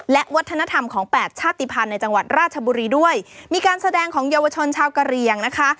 และวัฒนธรรมของแปดชาติภัณฑ์ในจังหวัดราชบุรีด้วยมีการแสดงของเยาวชนชาวกะเรียงนะคะ